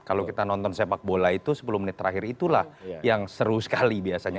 kalau kita nonton sepak bola itu sepuluh menit terakhir itulah yang seru sekali biasanya